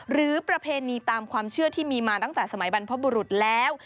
ประเพณีตามความเชื่อที่มีมาตั้งแต่สมัยบรรพบุรุษแล้ว